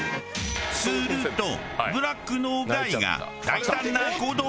するとブラックの凱が大胆な行動に。